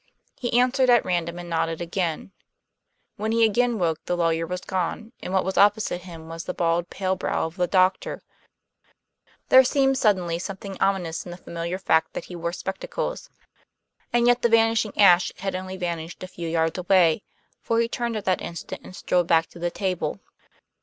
He answered at random and nodded again; when he again woke the lawyer was gone, and what was opposite him was the bald, pale brow of the doctor; there seemed suddenly something ominous in the familiar fact that he wore spectacles. And yet the vanishing Ashe had only vanished a few yards away, for he turned at that instant and strolled back to the table.